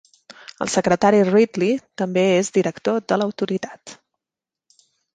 El secretari Ridley també és Director de l'Autoritat.